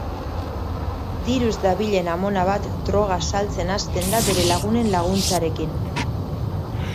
Diruz dabilen amona bat droga saltzen hasten da bere lagunen laguntzarekin.